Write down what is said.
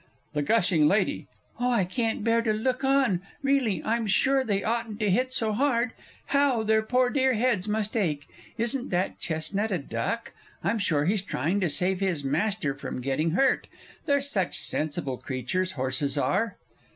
_) THE GUSHING LADY. Oh, I can't bear to look on, really. I'm sure they oughtn't to hit so hard how their poor dear heads must ache! Isn't that chestnut a duck? I'm sure he's trying to save his master from getting hurt they're such sensible creatures, horses are!